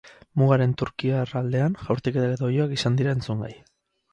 Mugaren turkiar aldean, jaurtiketak eta oihuak izan dira entzungai.